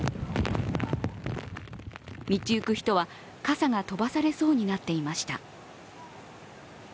道行く人は、傘が飛ばされそうになっていました。